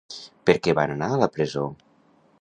Per què van anar a la presó?